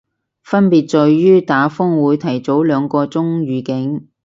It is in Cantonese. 分別在於打風會提早兩個鐘預警